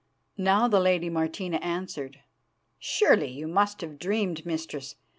"Now the lady Martina answered: 'Surely, you must have dreamed, Mistress.